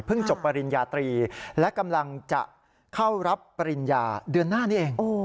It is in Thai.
จบปริญญาตรีและกำลังจะเข้ารับปริญญาเดือนหน้านี้เอง